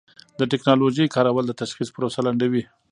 د ټېکنالوژۍ کارول د تشخیص پروسه لنډوي.